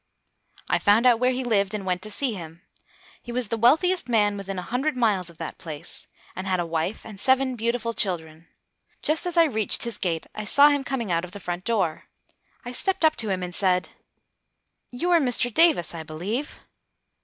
I found out where he lived, and went to see him. He was the wealthiest man within a hundred miles of that place, and had a wife and seven beautiful children. Just as I reached his gate, I saw him coming out of the front door. I stepped up to him, and said: "You are Mr. Davis, I believe?"